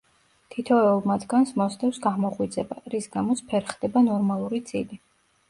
თითოეულ მათგანს მოსდევს გამოღვიძება, რის გამოც ფერხდება ნორმალური ძილი.